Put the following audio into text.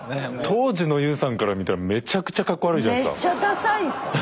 当時のＹＯＵさんから見たらめちゃくちゃかっこ悪いじゃないですか。